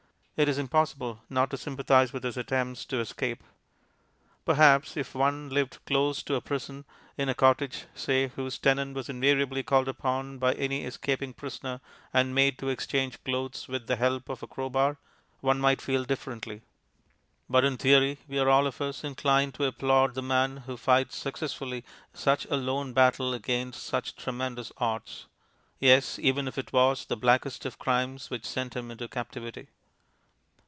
It is impossible not to sympathize with his attempts to escape. Perhaps, if one lived close to a prison, in a cottage, say, whose tenant was invariably called upon by any escaping prisoner and made to exchange clothes with the help of a crow bar, one might feel differently. But in theory we are all of us inclined to applaud the man who fights successfully such a lone battle against such tremendous odds; yes, even if it was the blackest of crimes which sent him into captivity.